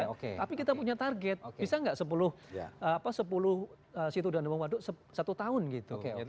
tapi kita punya target bisa gak sepuluh situdan nombong waduk satu tahun gitu